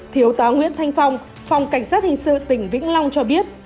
thiếu tá nguyễn thanh phong phòng cảnh sát hình sự tỉnh vĩnh long cho biết